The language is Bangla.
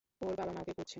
ওর বাবা-মা ওকে খুঁজছে।